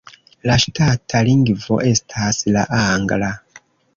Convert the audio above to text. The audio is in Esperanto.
La ŝtata lingvo estas la angla.